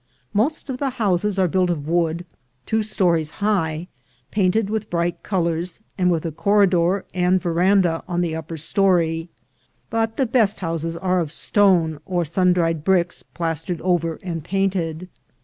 Most of the houses are built of wood, two stories high, painted with bright colors, and with a corridor and veranda on the upper story; but the best houses are of stone, or sun dried bricks plastered over and painted.